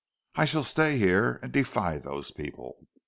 I shall stay here and defy those people!